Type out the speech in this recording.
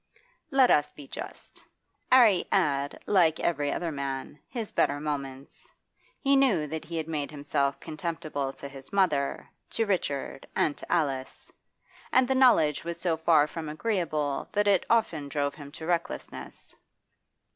Let us be just; 'Arry had, like every other man, his better moments. He knew that he had made himself contemptible to his mother, to Richard, and to Alice, and the knowledge was so far from agreeable that it often drove him to recklessness.